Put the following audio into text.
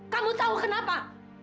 kamu tahu kenapa